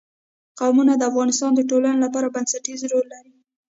قومونه د افغانستان د ټولنې لپاره بنسټيز رول لري.